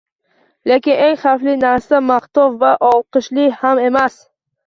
Lekin eng xavfli narsa maqtov va olqishlar ham emas